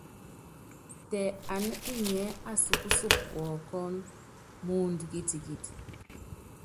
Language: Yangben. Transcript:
Tɛ aná inyɛ́ asupúsɔp wɔɔkɔ́n, mɔɔndɔ kitikit.